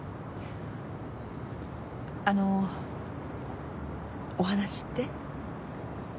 あのお話って？